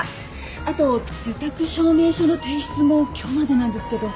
あと受託証明書の提出も今日までなんですけど。